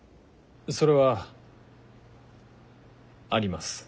それはあります。